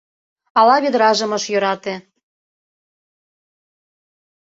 Ала ведражым ыш йӧрате